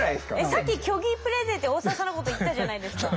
さっき虚偽プレゼンって大澤さんのこと言ったじゃないですか。